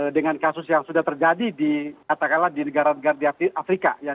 dengan kasus yang sudah terjadi di katakanlah di negara negara di afrika ya